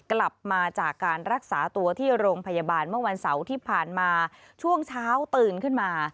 กลับมาจากการรักษาตัวที่โรงพยาบาลเมื่อวันเสาร์ที่ผ่านมาช่วงเช้าตื่นขึ้นมา